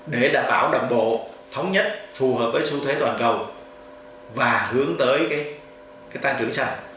để đảm bảo đồng bộ thống nhất phù hợp với xu thế toàn cầu và hướng tới tăng trưởng xanh